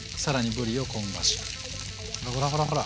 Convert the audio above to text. ほらほらほらほら！